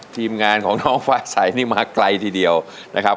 ทีมงานของน้องฟ้าใสนี่มาไกลทีเดียวนะครับ